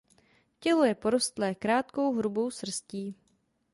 Tělo je porostlé krátkou hrubou srstí.